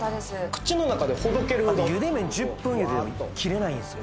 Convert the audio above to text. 口の中でほどける茹で麺１０分茹でると切れないんですよ